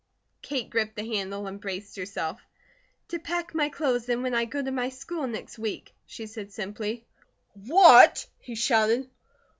Kate gripped the handle and braced herself. "To pack my clothes in when I go to my school next week," she said simply. "What?" he shouted.